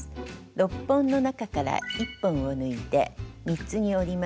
６本の中から１本を抜いて３つに折ります。